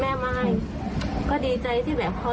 แม่ไม่ก็ดีใจที่แบบเขารับได้